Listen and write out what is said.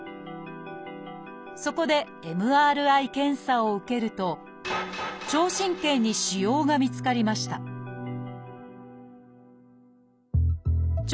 そこでＭＲＩ検査を受けると聴神経に腫瘍が見つかりました聴